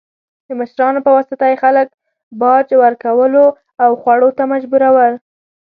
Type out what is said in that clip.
د مشرانو په واسطه یې خلک باج ورکولو او خوړو ته مجبورول.